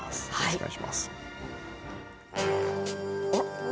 お願いします。